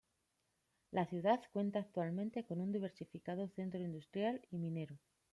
La ciudad cuenta actualmente con un diversificado centro industrial y minero.